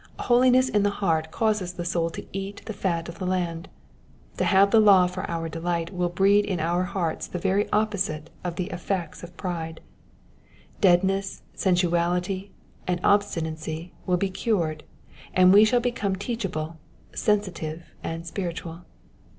Holiness in the heart causes the soul to eat the fat of the land. To have the law for our delight will breed in our hearts the very opposite of the effects of pride ; deadness, sensuality, and obstinacy will be cured, and we shall be come teachable, sensitive, and spiritual.